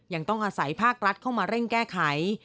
ยังต้องอาศัยภาครัฐเข้ามาเร่งแก้ไข